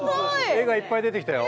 絵がいっぱい出てきたよ。